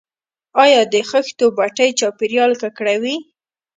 آیا د خښتو بټۍ چاپیریال ککړوي؟